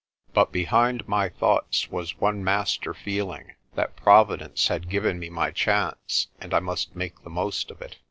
But behind my thoughts was one master feeling, that Providence had given me my chance and I must make the most of it.